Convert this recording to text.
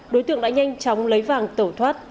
đối tượng đã nhanh chóng lấy vàng tẩu thoát